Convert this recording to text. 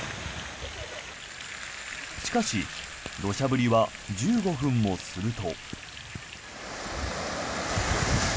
しかし土砂降りは１５分もすると。